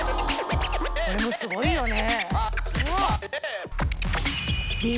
これもすごいよね。